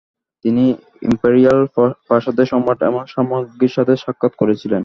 তিনি ইম্পেরিয়াল প্রাসাদে সম্রাট এবং সম্রাজ্ঞীর সাথে সাক্ষাত করেছিলেন।